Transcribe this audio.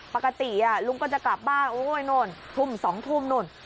ปกติลุงก็จะกลับบ้านโอ้ยโน่นทุ่ม๒ทุ่มนู่น